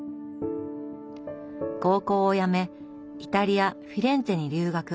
高校をやめイタリアフィレンツェに留学。